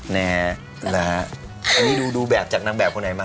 อันนี้ดูแบบจากนางแบบคนไหนมา